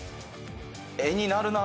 絵になるな。